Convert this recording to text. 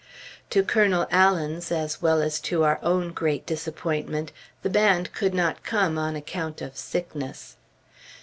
To Colonel Allen's, as well as to our own great disappointment, the band could not come on account of sickness.